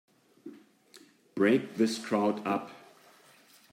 Break this crowd up!